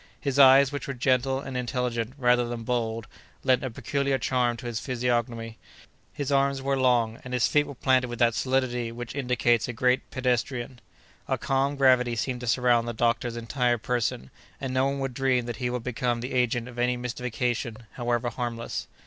His eyes, which were gentle and intelligent, rather than bold, lent a peculiar charm to his physiognomy. His arms were long, and his feet were planted with that solidity which indicates a great pedestrian. A calm gravity seemed to surround the doctor's entire person, and no one would dream that he could become the agent of any mystification, however harmless.